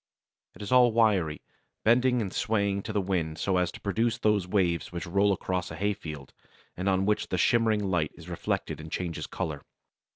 It is all wiry, bending and swaying to the wind so as to produce those waves which roll across a hay field, and on which the shimmering light is reflected and changes colour.